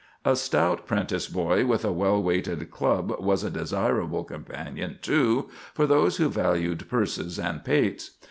A stout 'prentice boy with a well weighted club was a desirable companion, too, for those who valued purses and pates.